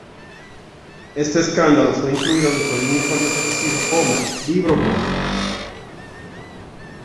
Este escándalo fue incluido dentro de un informe, conocido como "Libro Blanco".